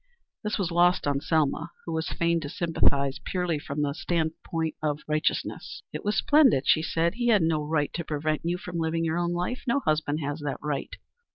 This was lost on Selma, who was fain to sympathize purely from the stand point of righteousness. "It was splendid," she said. "He had no right to prevent you living your own life. No husband has that right."